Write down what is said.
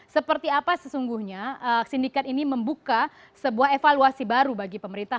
seperti apa sesungguhnya sindikat ini membuka sebuah evaluasi baru bagi pemerintah